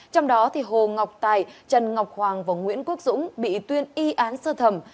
trong đó hồ ngọc tài trần ngọc hoàng và nguyễn quốc dũng bị tuyên y án sơ thẩm